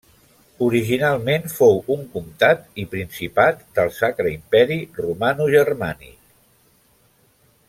Originalment fou un comtat i principat del Sacre Imperi Romanogermànic.